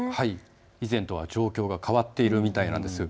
以前とは状況が変わっているみたいなんです。